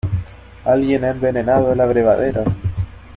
¡ Alguien ha envenenado el abrevadero!